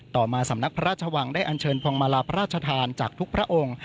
ต่อมาสำนักพระราชวังได้อันเชิญพวงมาลาพระราชทานจากทุกพระองค์